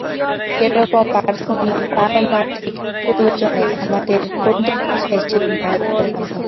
এইরকম পারমার্থিক প্রয়োজনে আমাদের পণ্ডিতমশায় ছিলেন মায়ের প্রধান সহায়।